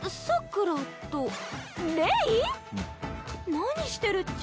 何してるっちゃ？